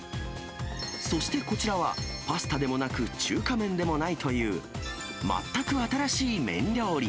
そしてこちらはパスタでもなく、中華麺でもないという、全く新しい麺料理。